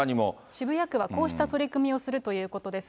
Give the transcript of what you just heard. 渋谷区はこうした取り組みをするということです。